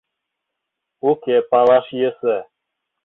Уке, палаш йӧсӧ.